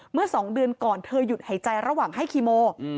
เมื่อ๒เดือนก่อนเธอหยุดหายใจระหว่างให้คีโม